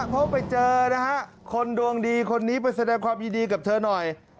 เพราะไปเจอนะฮะคนดวงดีคนนี้ไปแสดงความยินดีกับเธอหน่อย